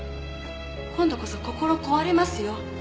今度こそ心壊れますよ。